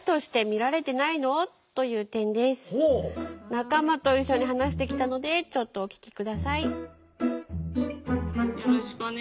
仲間と一緒に話してきたのでちょっとお聞き下さい。